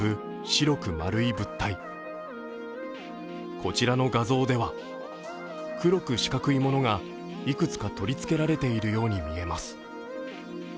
こちらの画像では黒く四角いものがいくつか取り付けられているように見えます。